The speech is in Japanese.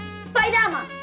スパイダーマン！